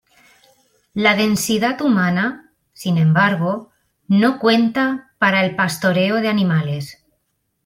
La densidad humana, sin embargo, no cuenta para el pastoreo de animales.